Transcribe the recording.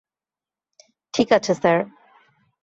ঠিক আছে স্যার!